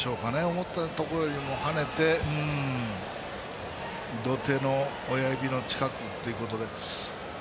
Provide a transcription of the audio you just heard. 思ったところよりも跳ねて土手の親指の近くということで。